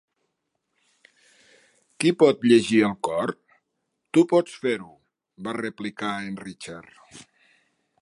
"Qui pot llegir el cor?" "Tu pots fer-ho", va replicar en Richard.